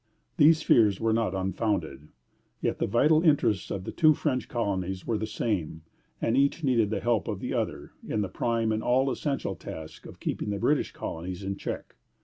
These fears were not unfounded; yet the vital interests of the two French colonies were the same, and each needed the help of the other in the prime and all essential task of keeping the British colonies in check.